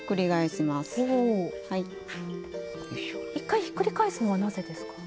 １回ひっくり返すのはなぜですか？